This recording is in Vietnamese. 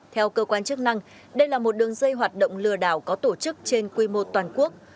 theo cơ quan chức năng đây là một đường dây hoạt động lừa đảo có tổ chức trên quy mô toàn quốc